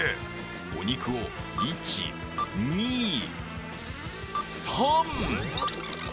お肉を１、２３。